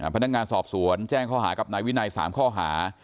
พนักงานสอบสวนแจ้งข้อหากับนายวินัย๓ข้อหา